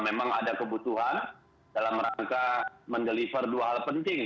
memang ada kebutuhan dalam rangka mendeliver dua hal penting